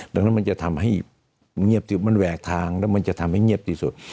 แล้วมันจะทำให้แวกทางมันจะทำให้เงียบสิสุด